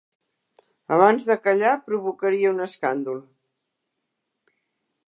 Abans de callar, provocaria un escàndol.